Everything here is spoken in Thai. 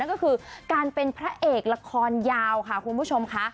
ก็คือการเป็นพระเอกละครยาวค่ะคุณผู้ชมค่ะ